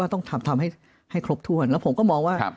ทำให้ครบถ้วนแล้วผมก็มองว่า